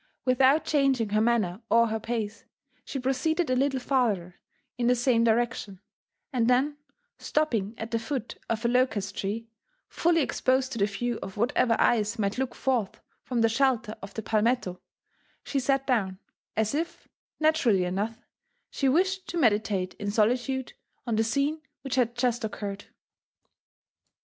Without changing her manner or her pace, she proceeded a little farther in the same direction, and then stopping at the foot of a locust tree fully exposed to the view of whatever eyes might look forth from the shelter of the palmetto, she sat down, as if, naturally enough, she wished to meditate in splitude on the scene which had just occurred.